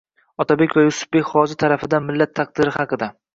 Otabek va Yusufbek hoji tarafidan millat taqdiri haqida